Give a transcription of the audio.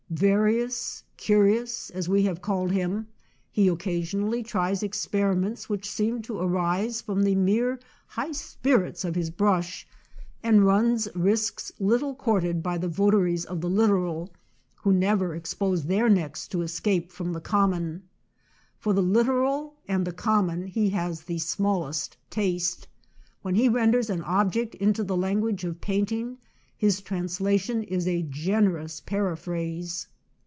Various, curious, as we have called him, he occasionally tries experiments which seem to arise from the mere high spirits of his brush, and runs risks little courted by the votaries of the literal, who never expose their necks to escape from the common. For the literal and the common he has the smallest taste, when he renders an object into the language of painting, his translation is a generous par aphrase.